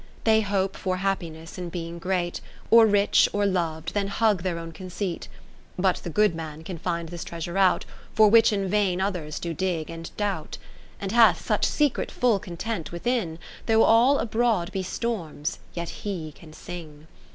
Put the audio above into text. They hope for Happiness in being great, Or rich, or lov'd, then hug their own conceit. But the good man can find this treasure out, For which in vain others do dig and doubt ; And hath such secret full Content within, Though all abroad be storms, yet he can sing.